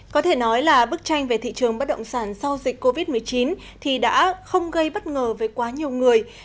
có thể nói là bức tranh về thị trường bất động sản sau dịch covid một mươi chín thì đã không gây bất ngờ với quá nhiều người